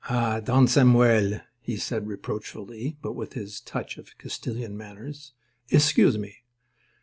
"Ah, Don Samuel," he said, reproachfully, but with his touch of Castilian manners, "escuse me.